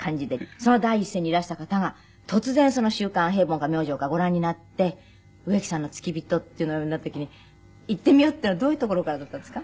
その第一線にいらした方が突然その『週刊平凡』か『明星』かご覧になって植木さんの付き人っていうのになった時に行ってみようっていうのはどういうところからだったんですか？